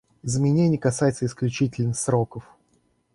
Изменения касаются исключительно сроков.